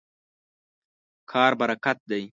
کار برکت دی.